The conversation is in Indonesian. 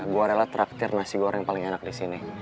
gua rela traktir nasi goreng paling enak di sini